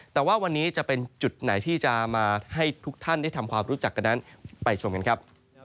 แต่ว่าวันนี้จะเป็นจุดไหนที่จะมาให้ทุกท่านได้ทำความรู้จักกันนั้นไปชมกันครับ